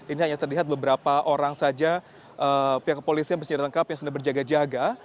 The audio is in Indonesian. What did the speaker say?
ini hanya terlihat beberapa orang saja pihak kepolisian bersenjata lengkap yang sedang berjaga jaga